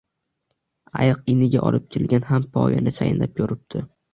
Ayiq iniga olib kelgan ham poyani chaynab ko’ribdi